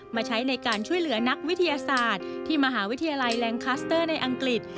มาใช้ในการช่วยเหลือนักวิทยาศาสตร์ที่มหาวิทยาลัยแหล่งคัสเตอร์ในอังกฤษ